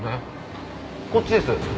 こっちです。